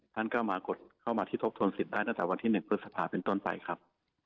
ท่านก็มากดเข้ามาที่ทบทวนสิทธิ์ได้ตั้งแต่วันที่๑พฤษภาเป็นต้นไปครับ